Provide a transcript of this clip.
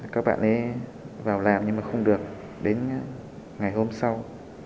các bạn ấy vào làm nhưng mà không được đến ngày hôm sau